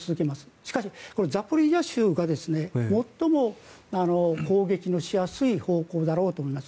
しかしザポリージャ州が最も攻撃のしやすい方向だろうと思います。